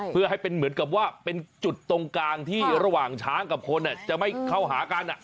เพื่อให้เป็นเหมือนกับว่าเป็นจุดตรงกลางที่ระหว่างช้างกับคนจะไม่เข้าหากัน